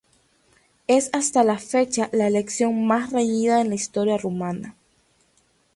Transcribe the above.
Es hasta la fecha la elección más reñida en la historia rumana.